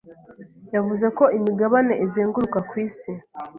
yavuze ko imigabane izenguruka ku isi